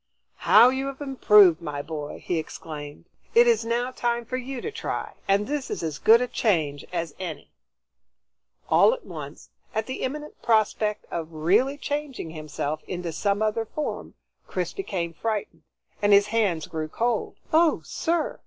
"How you have improved, my boy!" he exclaimed. "It is now time for you to try, and this is as good a change as any." All at once, at the imminent prospect of really changing himself into some other form, Chris became frightened and his hands grew cold. "Oh, sir!